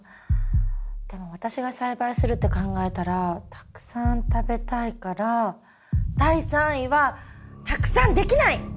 でも私が栽培するって考えたらたくさん食べたいから第３位は「たくさんできない」！